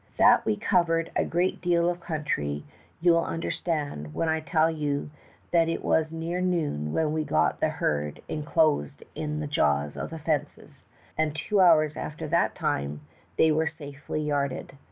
"That we covered a great deal of country you will understand when I tell you that it was near noon when we got the herd inclosed in the jaws of the fences, and two hours after that time when they were safely yarded.